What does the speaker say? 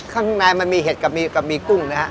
ข้างในมันมีเห็ดกับมีกุ้งนะฮะ